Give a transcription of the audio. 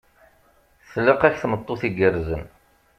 Tlaq-ak tameṭṭut igerrzen.